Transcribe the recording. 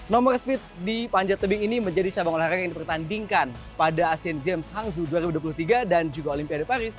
nomor speed di panjat tebing ini menjadi cabang olahraga yang dipertandingkan pada asean games hangzhou dua ribu dua puluh tiga dan juga olimpiade paris dua ribu dua puluh empat